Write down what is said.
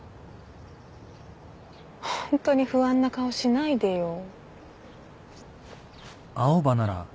ホントに不安な顔しないでよ。